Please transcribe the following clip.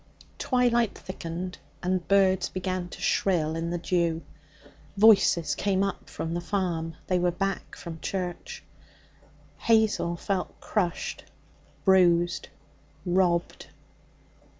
Twilight thickened, and birds began to shrill in the dew. Voices came up from the farm. They were back from church. Hazel felt crushed, bruised, robbed.